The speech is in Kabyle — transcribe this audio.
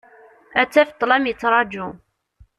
Ad taf ṭṭlam yettraǧu.